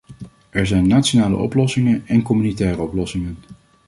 Er zijn nationale oplossingen en communautaire oplossingen.